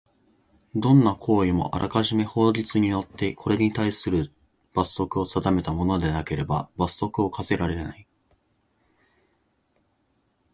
どんな行為もあらかじめ法律によってこれにたいする罰則を定めたものでなければ刑罰を科せられない。